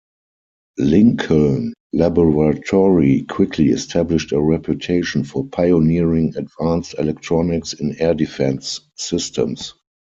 Lincoln Laboratory quickly established a reputation for pioneering advanced electronics in air defense systems.